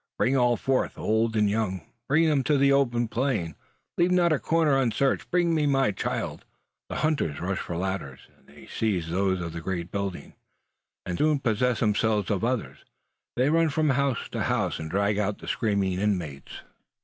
Bring all forth, old and young. Bring them to the open plain. Leave not a corner unsearched. Bring me my child!" The hunters rush for the ladders. They seize those of the great building, and soon possess themselves of others. They run from house to house, and drag out the screaming inmates.